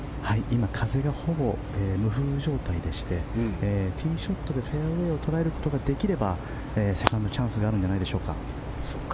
風がほぼ無風状態でしてティーショットでフェアウェーを捉えることができればセカンド、チャンスがあるんじゃないでしょうか。